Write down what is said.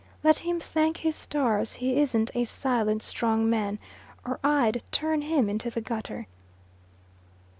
"Let him thank his stars he isn't a silent strong man, or I'd turn him into the gutter."